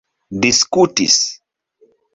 diskutis